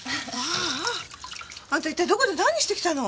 あんた一体どこで何してきたの？